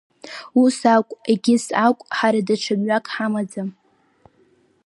Ус акә, егьыс акә, ҳара даҽа мҩак ҳамаӡам…